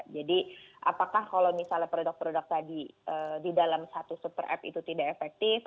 jadi apakah kalau misalnya produk produk tadi di dalam satu super app itu tidak efektif